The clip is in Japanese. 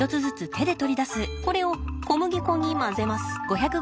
これを小麦粉に混ぜます。